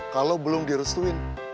kalau belum direstuin